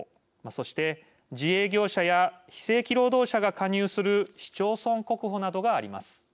そして、自営業者や非正規労働者が加入する市町村国保などがあります。